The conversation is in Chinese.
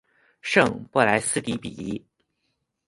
圣布莱斯迪比伊。